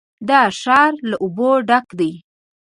دا ښار له اوبو ډک دی.